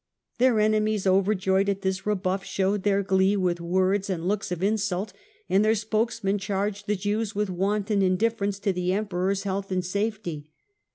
Their enemies, overjoyed at this rebuff, showed their glee with words and looks of insult, and their spokes man charged the Jews with wanton indifference to the Emperor's health and safety.